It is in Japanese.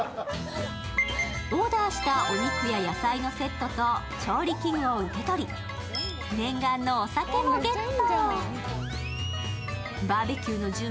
オーダーしたお肉や野菜のセットと調理器具を受け取り念願のお酒もゲット。